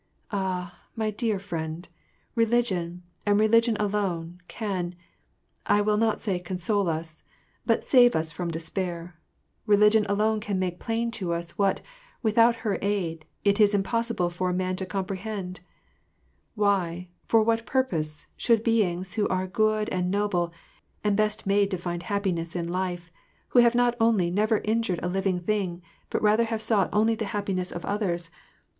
Ah! my dear friend, religion and religion alone, can — I will not say console us — but save us from despair; religion alone can make plain to us what, without her aid, it is impossible for man to comprehend : why, for what purpose, should beings who are good and noble, and best made to find happiness in life, who have not only never Injm ed a living thing, but rather have sought only the happiness of others.